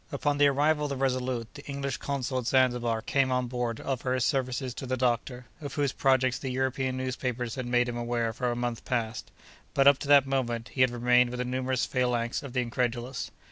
Upon the arrival of the Resolute, the English consul at Zanzibar came on board to offer his services to the doctor, of whose projects the European newspapers had made him aware for a month past. But, up to that moment, he had remained with the numerous phalanx of the incredulous.